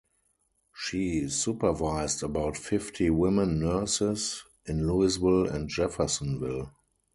She supervised about fifty women nurses in Louisville and Jeffersonville.